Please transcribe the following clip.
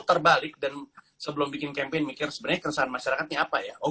terbalik dan sebelum bikin campaign mikir sebenarnya keresahan masyarakatnya apa ya